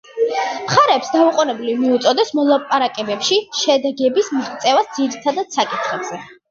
მხარეებს დაუყოვნებლივ მოუწოდეს მოლაპარაკებებში შედეგების მიღწევას ძირითად საკითხებზე.